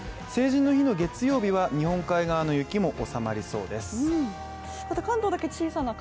成人の日の月曜日は、日本海側の雪も収まりそうです。